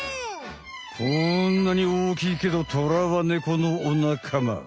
こんなにおおきいけどトラはネコのお仲間。